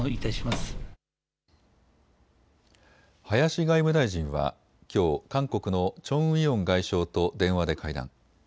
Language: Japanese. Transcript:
林外務大臣はきょう韓国のチョン・ウィヨン外相と電話で会談。